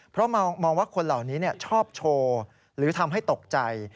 เพราะมองว่าคนเหล่านี้ชอบโชว์หรือทำให้ตกใจ